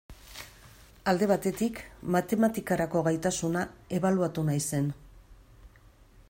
Alde batetik, matematikarako gaitasuna ebaluatu nahi zen.